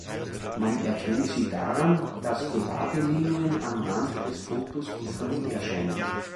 Man erkennt sie daran, dass gerade Linien am Rand des Fotos gekrümmt erscheinen.